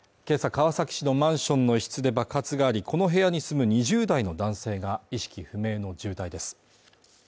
川崎市のマンションの一室で爆発がありこの部屋に住む２０代の男性が意識不明の重体です